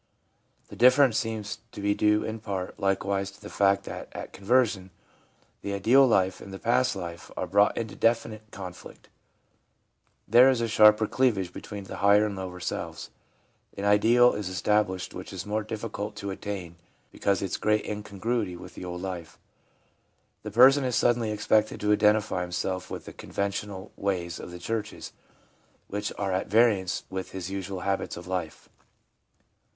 The difference seems to be due in part, likewise, to the fact that at conversion the ideal life and the past life are brought into definite conflict. There is a sharper cleav age between the higher and lower selves ; an ideal is established which is more difficult to attain because of its great incongruity with the old life. The person is suddenly expected to identify himself with the conven tional ways of the churches, which are at variance with his usual habits of life.